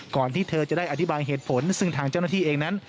ที่เธอจะได้อธิบายเหตุผลซึ่งทางเจ้าหน้าที่เองนั้น